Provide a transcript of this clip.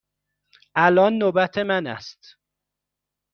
الان نوبت من است.